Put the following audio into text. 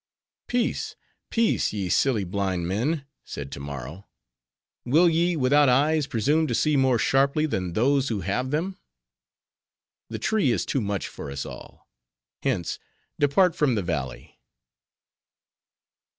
'Peace! peace! ye silly blind men,' said Tammaro. 'Will ye without eyes presume to see more sharply than those who have them? The tree is too much for us all. Hence! depart from the valley.